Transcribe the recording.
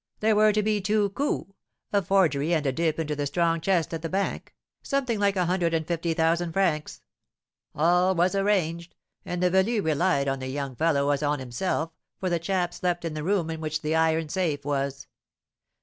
There were to be two coups, a forgery and a dip into the strong chest at the bank, something like a hundred and fifty thousand francs. All was arranged, and Velu relied on the young fellow as on himself, for the chap slept in the room in which the iron safe was.